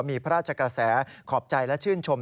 มีพระราชกระแสขอบใจและชื่นชม